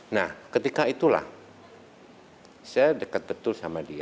nah ketika itulah saya dekat betul sama dia